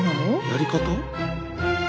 やり方？